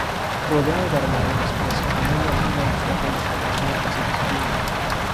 Rodeada de arbolado espeso, en ella abundan los nogales, las huertas y los pinos.